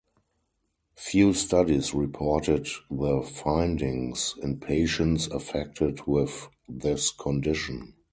Few studies reported the findings in patients affected with this condition.